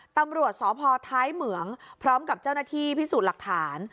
ตำรวจสพท้ายเหมืองพร้อมกับเจ้าหน้าที่พิสูจน์หลักฐาน